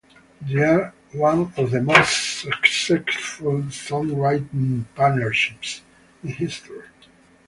They are one of the most successful songwriting partnerships in history.